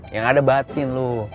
yang ada batin lo